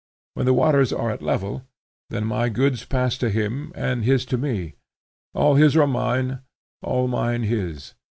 When the waters are at level, then my goods pass to him, and his to me. All his are mine, all mine his.